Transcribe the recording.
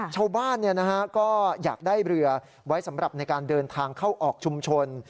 ชาวบ้านก็อยากได้เรือไว้สำหรับในการเดินทางเข้าออกชุมชน